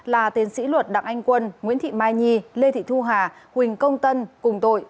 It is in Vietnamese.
là tiến sĩ luật đặng anh quân nguyễn thị mai nhi lê thị thu hà huỳnh công tân cùng tội